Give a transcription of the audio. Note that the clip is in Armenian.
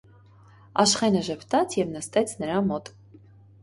Աշխենը ժպտաց և նստեց նրա մոտ: